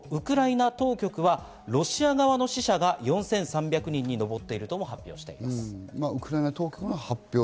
一方、ウクライナ当局はロシア側の死者は４３００人にのぼっていると発表しています。